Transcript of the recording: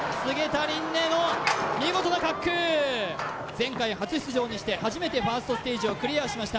前回初出場にして初めてファーストステージをクリアしました